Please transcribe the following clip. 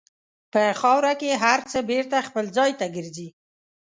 په خاوره کې هر څه بېرته خپل ځای ته ګرځي.